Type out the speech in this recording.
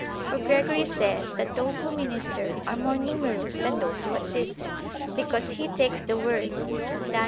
For Gregory says that those who minister are more numerous than those who assist; because he takes the words (Dan.